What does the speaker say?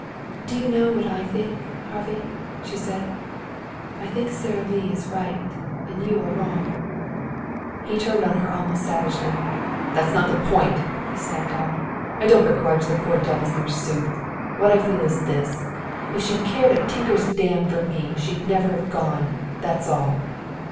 "Do you know what I think, Harvey?" she said. "I think Sara Lee is right and you are wrong." He turned on her almost savagely. "That's not the point!" he snapped out. "I don't begrudge the poor devils their soup. What I feel is this: If she'd cared a tinker's damn for me she'd never have gone. That's all."